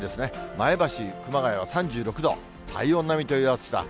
前橋、熊谷は３６度、体温並みという暑さ。